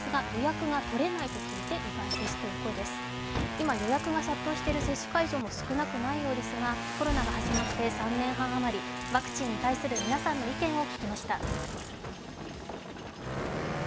今、予約が殺到している接種会場も少なくないようですが、コロナが始まって３年半あまりワクチンに対する皆さんの意見を聞きました。